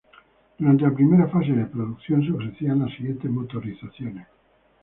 Durante la primera fase de producción se ofrecían las siguientes motorizaciones.